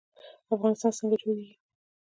افغانستان څنګه جوړیږي؟